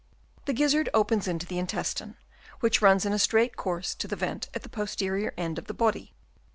The gizzard opens into the intestine, Chap. I. THEIR SENSES. 19 which runs in a straight course to the vent at the posterior end of the body.